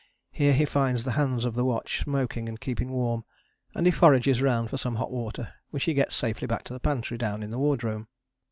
Here he finds the hands of the watch, smoking and keeping warm, and he forages round for some hot water, which he gets safely back to the pantry down in the wardroom.